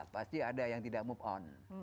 pasti ada yang tidak move on